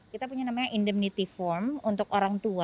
kita punya namanya indemnity form untuk orang tua